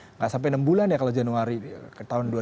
nggak sampai enam bulan ya kalau januari tahun dua ribu sembilan belas